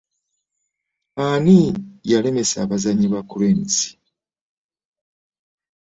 Ani yalemesa abazannyi ba cranes.